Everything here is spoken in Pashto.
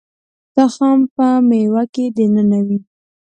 تخم په مېوه کې دننه وي